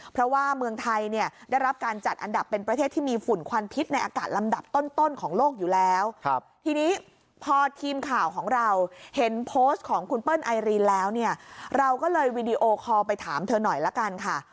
เพราะว่าเมืองไทยเนี่ยได้รับการจัดอันดับเป็นประเทศที่มีฝุ่นควันพิษในอากาศลำดับต้นของโลกอยู่แล้วทีนี้พอทีมข่าวของเราเห็นโพสต์ของคุณเปิ้ลไอรินแล้วเนี่ยเราก็เลยวีดีโอคอลไปถามเธอหน่อยละกันค่ะ